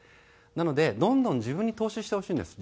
なのでどんどん自分に投資してほしいんです。